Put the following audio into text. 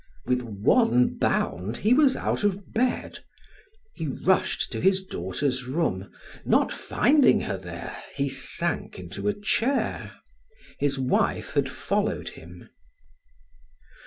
With one bound he was out of bed; he rushed to his daughter's room; not finding her there, he sank into a chair. His wife had followed him.